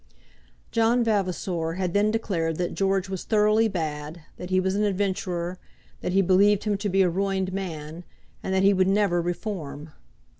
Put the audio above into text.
John Vavasor had then declared that George was thoroughly bad, that he was an adventurer; that he believed him to be a ruined man, and that he would never reform.